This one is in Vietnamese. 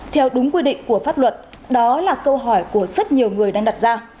theo đúng quy định của pháp luật đó là câu hỏi của rất nhiều người đang đặt ra